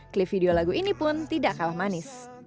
klip video lagu ini pun tidak kalah manis